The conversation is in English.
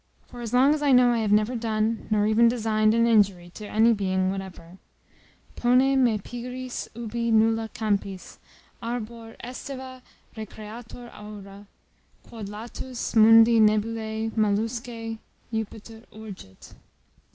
For as long as I know I have never done, nor even designed, an injury to any being whatever, _Pone me pigris ubi nulla campis Arbor aestiva recreatur aura, Quod latus mundi nebulae, malusque Jupiter urget.